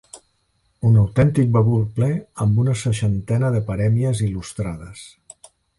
Un autèntic bagul ple amb una seixantena de parèmies il·lustrades.